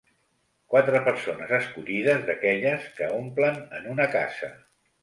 Quatre persones escollides d'aquelles que omplen en una casa